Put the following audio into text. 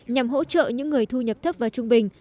nhằm hỗ trợ những người thu nhập thấp và trung bình